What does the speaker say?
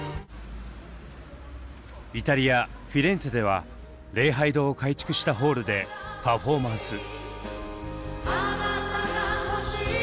イタリア・フィレンツェでは礼拝堂を改築したホールでパフォーマンス。